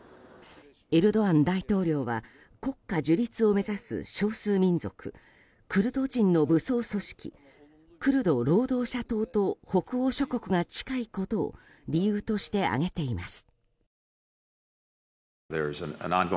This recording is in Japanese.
エルドアン大統領は国家樹立を目指す少数民族クルド人の武装組織クルド労働者党と北欧諸国が近いことを理由として挙げています。